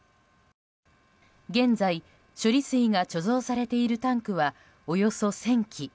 現在、処理水が貯蔵されているタンクは、およそ１０００基。